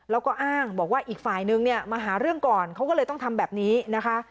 แล้วก็อ้างบอกว่าอีกฝ่ายนึงเนี่ยมาหาเรื่องก่อนเขาก็เลยต้องทำแบบนี้นะคะ